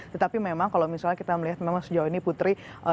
tetapi memang kalau misalnya kita melihat memang sejauh ini putri